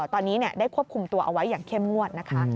ตอนนี้ได้ควบคุมตัวเอาไว้อย่างเข้มงวดนะคะ